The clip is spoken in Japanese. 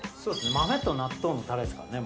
豆と納豆のたれですからね。